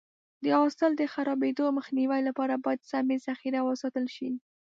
د حاصل د خرابېدو مخنیوي لپاره باید سمې ذخیره وساتل شي.